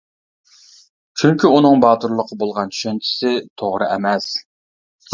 چۈنكى ئۇنىڭ باتۇرلۇققا بولغان چۈشەنچىسى توغرا ئەمەس.